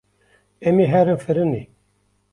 Em ê herin firnê.